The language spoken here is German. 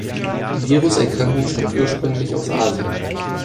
Die Viruserkrankung stammt ursprünglich aus Asien.